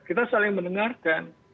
kita saling mendengarkan